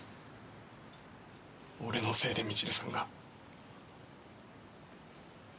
俺のせいでミチルさんが。